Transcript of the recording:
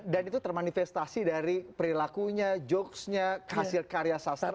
dan itu termanifestasi dari perilakunya jokes nya hasil karya sastra